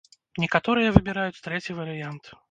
Некаторыя выбіраюць трэці варыянт.